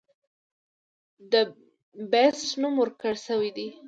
ته د “The Beast” نوم ورکړے شوے دے.